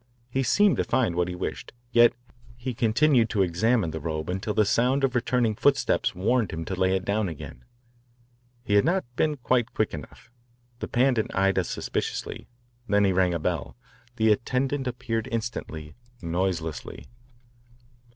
He seemed to find what he wished, yet he continued to examine the robe until the sound of returning footsteps warned him to lay it down again. He had not been quite quick enough. The Pandit eyed us suspiciously, then he rang a bell. The attendant appeared instantly, noiselessly.